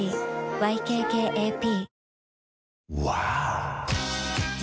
ＹＫＫＡＰ